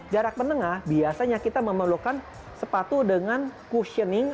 jarak menengah biasanya kita memerlukan sepatu dengan questioning